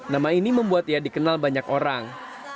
nama ini membuat ia dikenal banyak orang